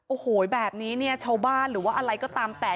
โอ้โหแบบนี้เนี่ยชาวบ้านหรือว่าอะไรก็ตามแต่